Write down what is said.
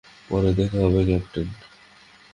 পরে দেখা হবে, ক্যাপ্টেন।